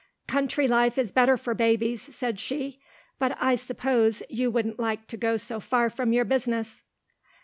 "'Country life is better for babies,' said she, 'but I suppose you wouldn't like to go so far from your business.